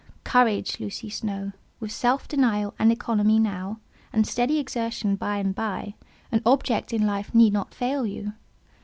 "Courage, Lucy Snowe! With self denial and economy now, and steady exertion by and by, an object in life need not fail you.